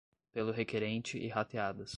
pelo requerente e rateadas